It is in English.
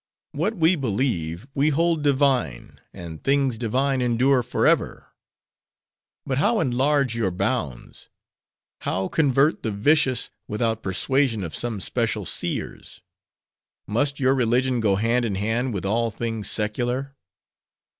What we believe, we hold divine; and things divine endure forever." "But how enlarge your bounds? how convert the vicious, without persuasion of some special seers? Must your religion go hand in hand with all things secular?"